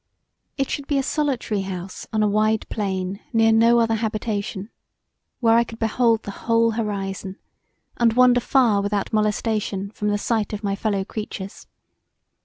It should be a solitary house on a wide plain near no other habitation: where I could behold the whole horizon, and wander far without molestation from the sight of my fellow creatures.